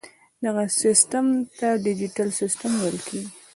دغه سیسټم ته ډیجیټل سیسټم ویل کیږي.